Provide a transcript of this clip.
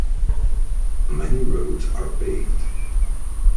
Many roads are paved.